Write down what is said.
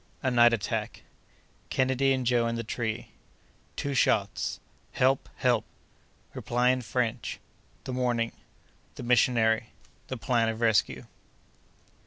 —A Night Attack.—Kennedy and Joe in the Tree.—Two Shots.—"Help! help!"—Reply in French.—The Morning.—The Missionary.—The Plan of Rescue.